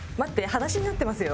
裸足になってますよ。